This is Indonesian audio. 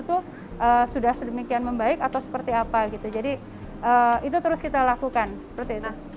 itu sudah sedemikian membaik atau seperti apa gitu jadi itu terus kita lakukan seperti itu